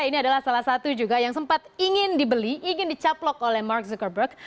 ini adalah salah satu juga yang sempat ingin dibeli ingin dicaplok oleh mark zuckerberg